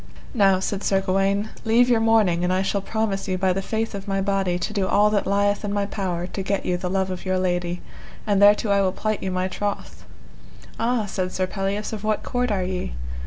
Now, said Sir Gawaine, leave your mourning and I shall promise you by the faith of my body to do all that lieth in my power to get you the love of your lady, and thereto I will plight you my troth. Ah, said Sir Pelleas, of what court are ye?